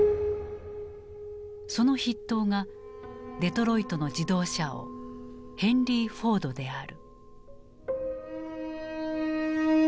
その筆頭がデトロイトの自動車王ヘンリー・フォードである。